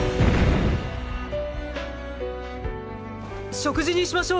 食事にしましょう！